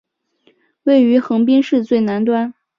位于横滨市最南端。